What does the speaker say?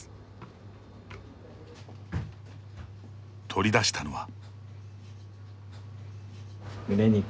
取り出したのは。